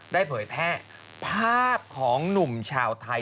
เผยแพร่ภาพของหนุ่มชาวไทย